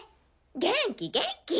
元気元気！